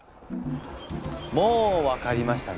もう分かりましたね。